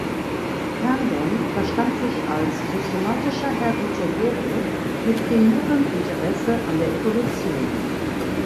Herndon verstand sich als systematischer Herpetologe mit primärem Interesse an der Evolution.